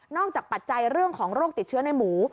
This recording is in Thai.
จากปัจจัยเรื่องของโรคติดเชื้อในหมู